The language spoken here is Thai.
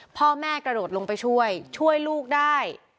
พ่อแม่กระโดดลงไปช่วยช่วยลูกได้